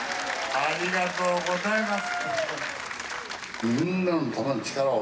ありがとうございます。